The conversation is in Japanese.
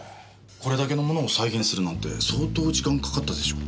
これだけのものを再現するなんて相当時間かかったでしょう。